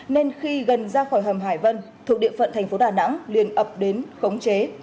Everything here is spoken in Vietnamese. nên khi gần ra khỏi hầm hải vân thuộc địa phận tp đà nẵng liên ập đến khống chế